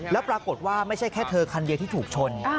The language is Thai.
แล้วปรากฏว่าไม่ใช่แค่เธอคันเดียวที่ถูกชน